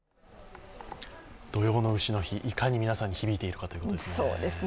土用のうしの日、いかに皆さんに響いているかということですね。